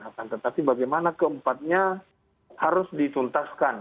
akan tetapi bagaimana keempatnya harus dituntaskan